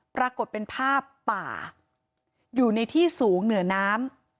ปรากฏเป็นภาพป่าอยู่ในที่สูงเหนือน้ำ